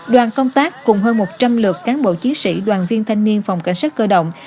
đoàn công tác cùng hơn một trăm linh lượt cán bộ chiến sĩ đoàn viên thanh niên phòng cảnh sát cơ động